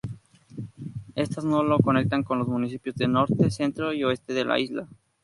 Estas lo conectan con los municipios del Norte, Centro y Oeste de la Isla.